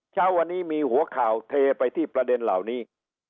เช้าวันนี้มีหัวข่าวเทไปที่ประเด็นเหล่านี้